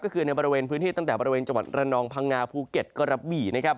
ก็คือในบริเวณพื้นที่ตั้งแต่บริเวณจังหวัดระนองพังงาภูเก็ตกระบี่นะครับ